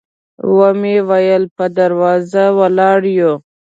و مو ویل په دروازه ولاړ یو.